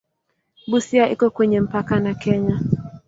Busia iko kwenye mpaka na Kenya.